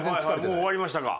もう終わりましたか？